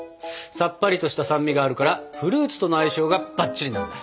さっぱりとした酸味があるからフルーツとの相性がバッチリなんだ。